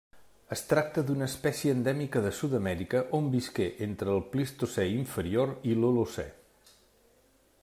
Es tracta d'una espècie endèmica de Sud-amèrica, on visqué entre el Plistocè inferior i l'Holocè.